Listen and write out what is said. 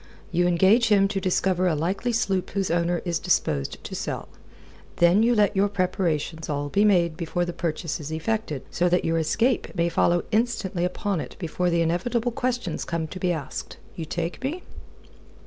You engage him to discover a likely sloop whose owner is disposed to sell. Then let your preparations all be made before the purchase is effected, so that your escape may follow instantly upon it before the inevitable questions come to be asked. You take me?"